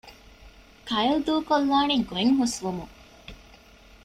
ކައިލް ދޫކޮށްލާނީ ގޮތް ހުސްވުމުން